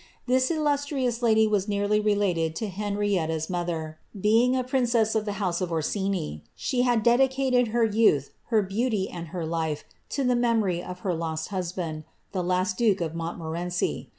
This illustrious lady was nearly related to Henrietui^s motfier, being a princess of the house of Orsini. She had dedicated her youth, her beauty, and her life to the memory of her lost husband, the last duke of Montmorenci.